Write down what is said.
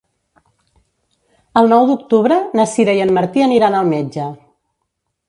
El nou d'octubre na Sira i en Martí aniran al metge.